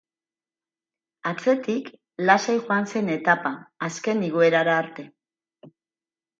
Atzetik, lasai joan zen etapa, azken igoerara arte.